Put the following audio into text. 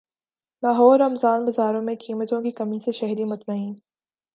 لاہور رمضان بازاروں میں قیمتوں کی کمی سے شہری مطمئین